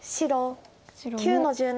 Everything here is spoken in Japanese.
白９の十七。